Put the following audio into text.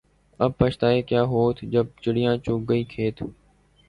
اب بچھتائے کیا ہوت جب چڑیا چگ گئی کھیت